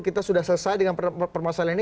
kita sudah selesai dengan permasalahan ini